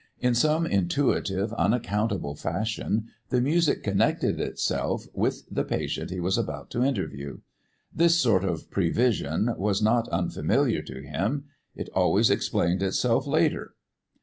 In some intuitive, unaccountable fashion the music connected itself with the patient he was about to interview. This sort of prevision was not unfamiliar to him. It always explained itself later.